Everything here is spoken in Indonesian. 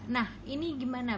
nah ini gimana